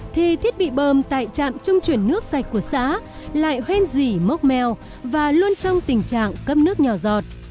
thì thiết bị bơm tại trạm trung chuyển nước sạch của xã lại hoen dỉ mốc mèo và luôn trong tình trạng cấp nước nhỏ giọt